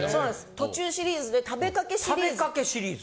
途中シリーズで食べかけシリーズ。